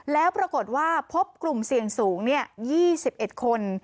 แล้วปรากฏว่าพบกลุ่มเสี่ยงสูง๒๑คน